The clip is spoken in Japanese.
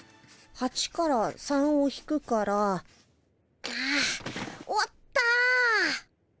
８から３を引くからあ終わった！